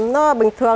nó bình thường